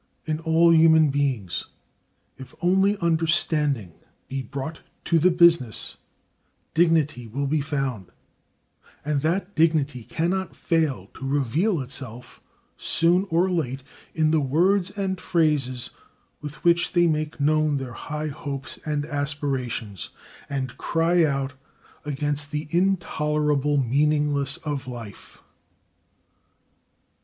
In all human beings, if only understanding be brought to the business, dignity will be found, and that dignity cannot fail to reveal itself, soon or late, in the words and phrases with which they make known their high hopes and aspirations and cry out against the intolerable meaninglessness of life.